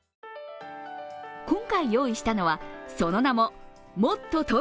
今回用意したのは、その名ももっとＴｏｋｙｏ！